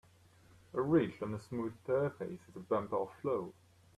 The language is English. A ridge on a smooth surface is a bump or flaw.